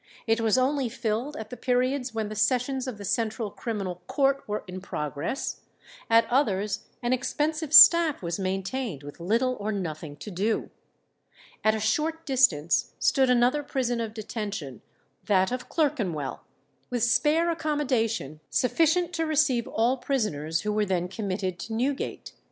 It was only filled at the periods when the sessions of the Central Criminal Court were in progress; at others an expensive staff was maintained with little or nothing to do. At a short distance stood another prison of detention, that of Clerkenwell, with spare accommodation sufficient to receive all prisoners who were then committed to Newgate.